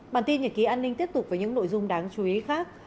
bản tin nhật ký an ninh tiếp tục với những nội dung đáng chú ý khác